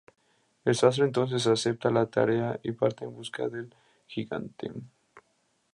El sastre entonces acepta la tarea y parte en busca del gigante.